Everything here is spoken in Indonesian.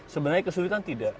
sebenarnya kesulitan tidak